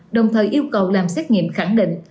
đồng thời yêu cầu làm xét nghiệm khẳng định